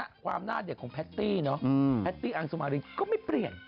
ความหน้าเด็กของแพตตี้เนอะแพตตี้อังสุมารินก็ไม่เปลี่ยน